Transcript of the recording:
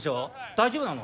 大丈夫なの？